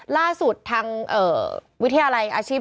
ล่าสุดทางวิทยาลัยอาชีพ